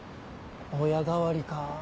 親代わりか。